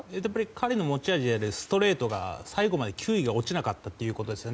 彼の持ち味であるストレートが最後まで球威が落ちなかったということです。